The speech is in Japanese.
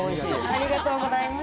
ありがとうございます。